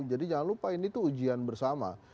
jadi jangan lupa ini tuh ujian bersama